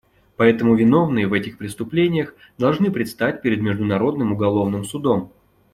Поэтому виновные в этих преступлениях должны предстать перед Международным уголовным судом.